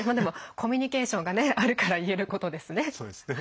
コミュニケーションがあるから言えることですね。